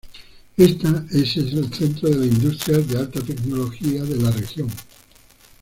Ésta es el centro de la industria de alta tecnología de la región.